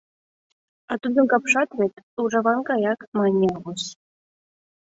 — А тудын капшат вет ужаван гаяк, — мане Аввус.